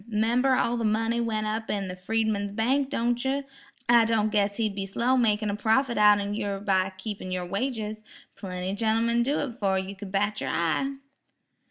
'Member all the money went up in the Freedman's bank, don' yer? I don' guess he'd be slow makin' a profit outen yer by keepin' yer wages. Plenty gentmen'd do it 'fore yer could bat yer eye."